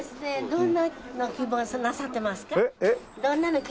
どんなの希望なさってますか？